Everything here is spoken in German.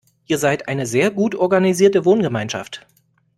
Ihr seid eine sehr gut organisierte Wohngemeinschaft.